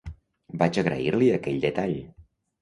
Vaig agrair-li aquell detall.